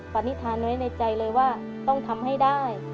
ปนิษฐานไว้ในใจเลยว่าต้องทำให้ได้